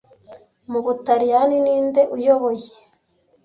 mu Butaliyani ninde uyoboye